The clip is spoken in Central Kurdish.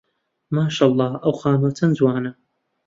ماشەڵڵا ئەو خانووە چەند جوانە.